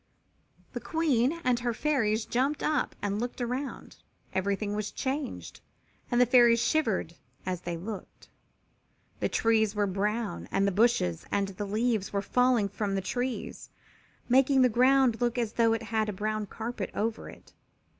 The Queen and her Fairies jumped up and looked around. Everything was changed and the Fairies shivered as they looked. The trees were brown and the bushes and the leaves were falling from the trees, making the ground look as though it had a brown carpet over it.